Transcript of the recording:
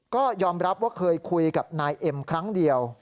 ก็ยอมรับว่าเคยคุยกับนายเอ็มครั้งเดียว